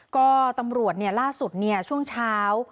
ก็ตำรวจล่าสุดช่วงเช้า